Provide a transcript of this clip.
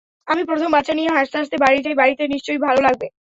আমি প্রথম বাচ্চা নিয়ে হাসতে হাসতে বাড়ি যাই—বাড়িতে নিশ্চয় ভালো লাগবে।